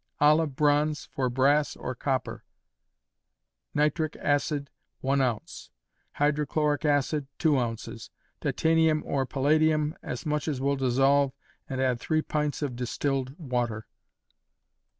Olive bronze, for brass or copper. Nitric acid, 1 oz.; hydrochloric acid, 2 oz.; titanium or palladium, as much as will dissolve, and add three pints of distilled water.